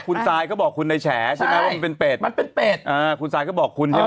คุณซายก็บอกคุณในแฉใช่ไหม